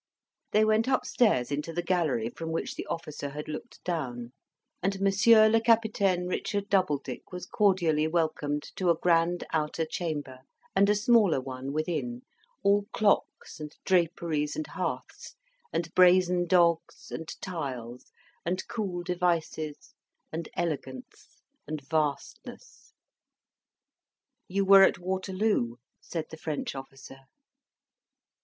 They went upstairs into the gallery from which the officer had looked down; and Monsieur le Capitaine Richard Doubledick was cordially welcomed to a grand outer chamber, and a smaller one within, all clocks and draperies, and hearths, and brazen dogs, and tiles, and cool devices, and elegance, and vastness. "You were at Waterloo," said the French officer.